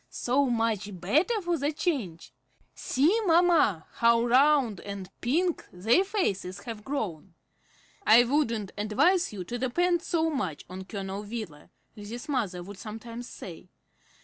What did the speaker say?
So much better for the change! See, mamma, how round and pink their faces have grown!" "I wouldn't advise you to depend so much on Colonel Wheeler," Lizzie's mother would sometimes say.